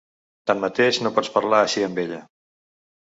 Tanmateix no pots parlar així amb ella.